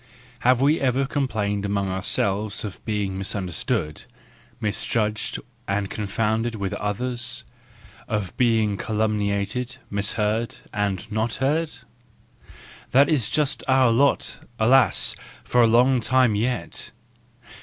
—Have we ever com¬ plained among ourselves of being misunderstood, misjudged, and confounded with others; of being calumniated, misheard, and not heard ? That is just our lot—alas, for a long time yet!